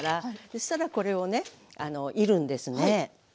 そしたらこれをねいるんですね。